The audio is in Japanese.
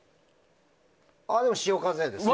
あ、でも潮風です。